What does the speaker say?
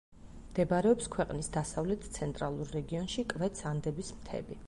მდებარეობს ქვეყნის დასავლეთ-ცენტრალურ რეგიონში, კვეთს ანდების მთები.